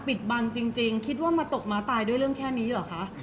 เพราะว่าสิ่งเหล่านี้มันเป็นสิ่งที่ไม่มีพยาน